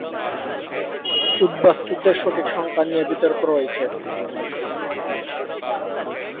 উদ্বাস্তুদের সঠিক সংখ্যা নিয়ে বিতর্ক রয়েছে।